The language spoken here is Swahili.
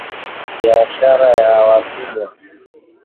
BIASHARA YA WATUMWA